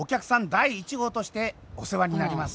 第一号としてお世話になります。